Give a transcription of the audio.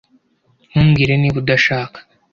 Ntumbwire niba udashaka.